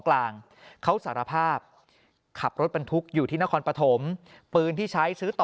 กลางเขาสารภาพขับรถบรรทุกอยู่ที่นครปฐมปืนที่ใช้ซื้อต่อ